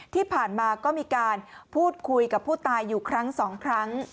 ที่ผ่านมาก็มีการพูดคุยกับผู้ตายอยู่ครั้งสองครั้ง